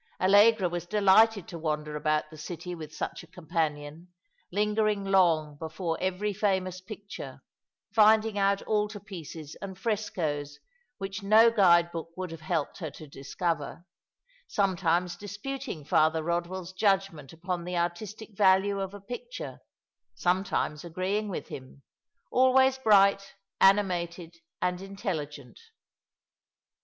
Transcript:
Allegra was delighted to wander about the city with such a companion, lingering long before every famous picture, finding out altar pieces and frescoes which no guide book would have helped her to discover; sometimes disputing Father Eodwell's judgment upon the artistic value of a picture ; sometimes agreeing with him — always bright, animated, and intelligent.